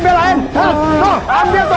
pak jangan pergi pak